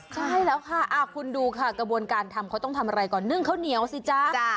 ใช่แล้วค่ะคุณดูกระบวนการทำหนึ่งข้าวเหนียวสิจ๊ะ